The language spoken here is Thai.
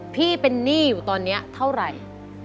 พี่เป็นหนี้อยู่ตอนนี้เท่าไหร่